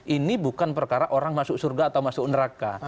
ini bukan perkara orang masuk surga atau masuk neraka